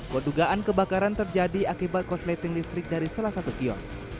kedugaan kebakaran terjadi akibat kosleting listrik dari salah satu kios